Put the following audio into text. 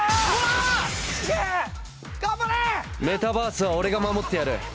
メタバースは俺が守ってやる。